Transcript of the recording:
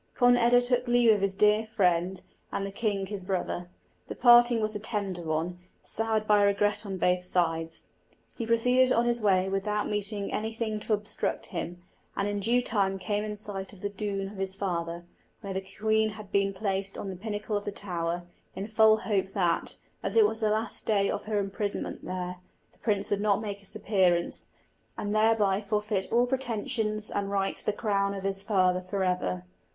Conn eda took leave of his dear friend, and the king his brother. The parting was a tender one, soured by regret on both sides. He proceeded on his way without meeting anything to obstruct him, and in due time came in sight of the dún of his father, where the queen had been placed on the pinnacle of the tower, in full hope that, as it was the last day of her imprisonment there, the prince would not make his appearance, and thereby forfeit all pretensions and right to the crown of his father for ever.